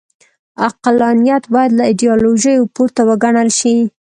عقلانیت باید له ایډیالوژیو پورته وګڼل شي.